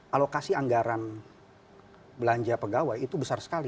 alokasi anggaran belanja pegawai itu besar sekali